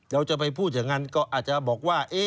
เราจะไปพูดอย่างนั้นก็อาจจะบอกว่า